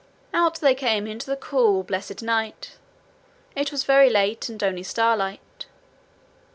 Out they came into the cool, blessed night. It was very late, and only starlight.